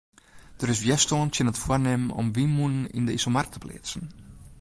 Der is wjerstân tsjin it foarnimmen om wynmûnen yn de Iselmar te pleatsen.